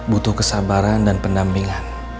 butuh kesabaran dan pendampingan